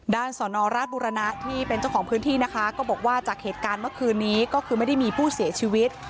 สอนอราชบุรณะที่เป็นเจ้าของพื้นที่นะคะก็บอกว่าจากเหตุการณ์เมื่อคืนนี้ก็คือไม่ได้มีผู้เสียชีวิต